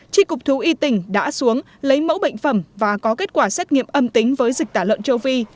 tri cục thú y tỉnh đã xuống lấy mẫu bệnh phẩm và có kết quả xét nghiệm âm tính với dịch tả lợn châu phi